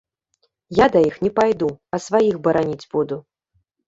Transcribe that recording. Я да іх не пайду, а сваіх бараніць буду.